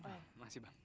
terima kasih bang